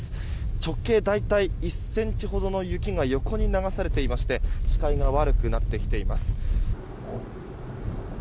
直径大体１ｃｍほどの雪が横に流されていまして視界が悪くなってきています。